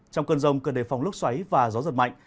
trong cơn rông cần đề phòng lốc xoáy và gió giật mạnh